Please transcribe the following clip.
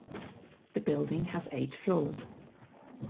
The building has eight floors.